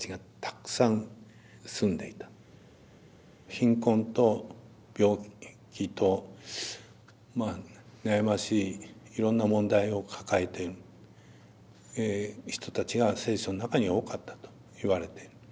貧困と病気とまあ悩ましいいろんな問題を抱えてる人たちが聖書の中には多かったと言われている。